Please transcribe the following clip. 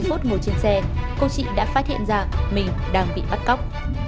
sau ba mươi phút ngồi trên xe cô chị đã phát hiện ra mình đang bị bắt cóc